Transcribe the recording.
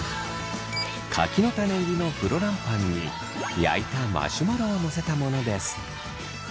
柿の種入りのフロランパンに焼いたマシュマロをのせたものです。